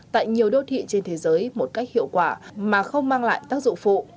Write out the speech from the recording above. tại nhiều đô thị trên thế giới một cách hiệu quả mà không mang lại tác dụng phụ